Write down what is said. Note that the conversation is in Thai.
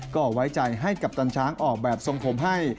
ก็ไว้ใจให้กัปตันช้างออกแบบทรงผมให้